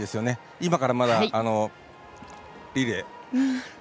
今から、まだリレー。